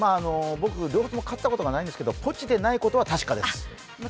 僕、両方とも飼ったことはないんですけど、ポチでないことは確かです。